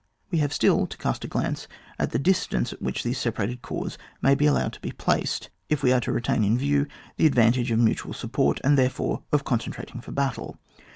We have still to cast a glance at the distances at which these separated corps may be allowed to be placed, if we are to retain in view the advantage of mutual support, and, therefore, of concentrating for battle.